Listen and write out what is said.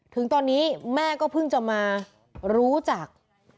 ถึงตอนนี้แม่ก็เพิ่งจะมารู้จัก